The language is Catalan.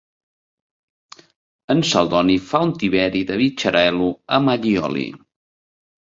En Celdoni fa un tiberi de vi xarel·lo amb allioli.